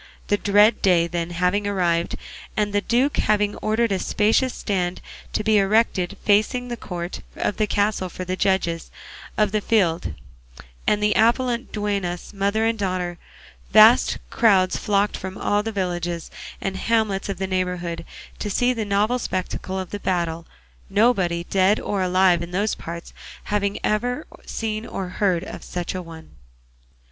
The dread day, then, having arrived, and the duke having ordered a spacious stand to be erected facing the court of the castle for the judges of the field and the appellant duennas, mother and daughter, vast crowds flocked from all the villages and hamlets of the neighbourhood to see the novel spectacle of the battle; nobody, dead or alive, in those parts having ever seen or heard of such a one.